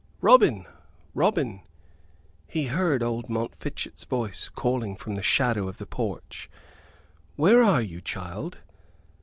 "Robin, Robin!" He heard old Montfichet's voice, calling from the shadow of the porch. "Where are you, child?